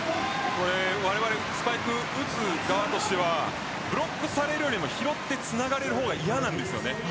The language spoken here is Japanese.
われわれスパイク打つ側としてはブロックされるよりも拾ってつながれる方が嫌なんです。